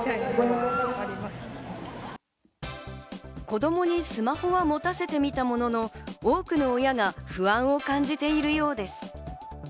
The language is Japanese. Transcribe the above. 子供にスマホは持たせてみたものの、多くの親が不安を感じているようです。